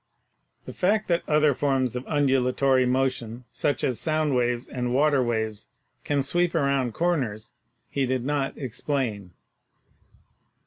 The fact that other forms of undulatory motion, such as sound waves and water waves, can sweep around corners, he did not explain.